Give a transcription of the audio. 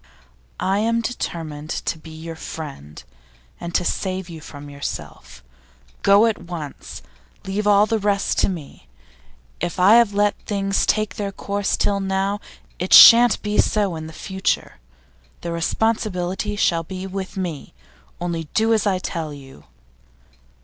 'I am determined to be your friend, and to save you from yourself. Go at once! Leave all the rest to me. If I have let things take their course till now, it shan't be so in future. The responsibility shall be with me. Only do as I tell you.